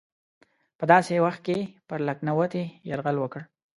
په داسې وخت کې پر لکهنوتي یرغل وکړ.